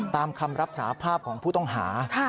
ตามคำรับสาภาพของผู้ต้องหา